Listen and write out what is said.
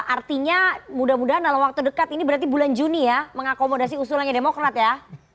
artinya mudah mudahan dalam waktu dekat ini berarti bulan juni ya mengakomodasi usulannya demokrat ya